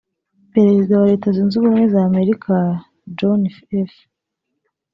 Perezida wa Leta Zunze Ubumwe za Amerika John F